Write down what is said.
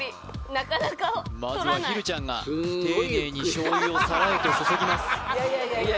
まずはひるちゃんが丁寧に醤油を皿へと注ぎます